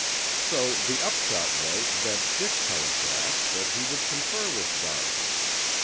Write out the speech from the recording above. So the upshot was that Dick telegraphed that he would confer with Darwin.